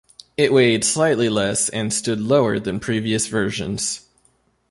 It weighed slightly less and stood lower than previous versions.